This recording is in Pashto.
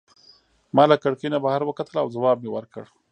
ما له کړکۍ نه بهر وکتل او ځواب مي ورکړ.